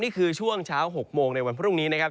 ช่วงเช้า๖โมงในวันพรุ่งนี้นะครับ